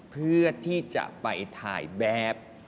เพื่อที่จะไปถ่ายแบบ